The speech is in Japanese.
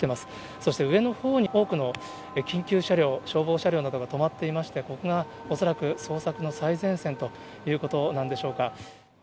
そして、上のほうに多くの緊急車両、消防車両などが止まっていまして、ここが恐らく捜索の最前線ということなんでしょうか。